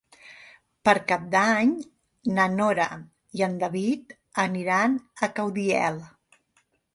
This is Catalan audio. Per Cap d'Any na Nora i en David aniran a Caudiel.